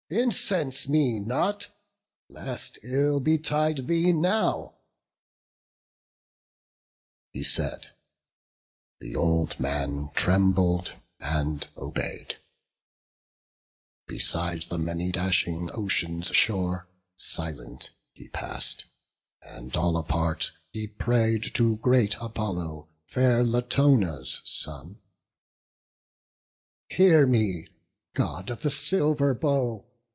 Incense me not, lest ill betide thee now." He said: the old man trembled, and obeyed; Beside the many dashing Ocean's shore Silent he pass'd; and all apart, he pray'd To great Apollo, fair Latona's son: "Hear me, God of the silver bow!